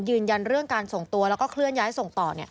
ยืนยันเรื่องการส่งตัวแล้วก็เคลื่อนย้ายส่งต่อ